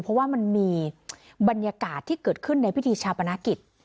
เพราะว่ามันมีบรรยากาศที่เกิดขึ้นในพิธีชาปนกิจ